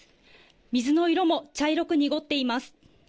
水の色も茶色く濁っています。